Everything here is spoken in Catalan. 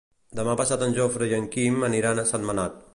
Demà passat en Jofre i en Quim aniran a Sentmenat.